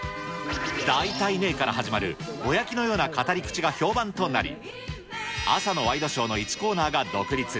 大体ねえから始まる、ぼやきのような語り口が評判となり、朝のワイドショーの１コーナーが独立。